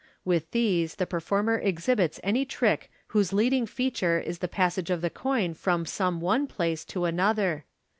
With these the performer exhibits any trick whose heading feature is the passage of the coin from some one place to another.